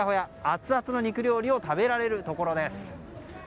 アツアツの肉料理を食べられるところです。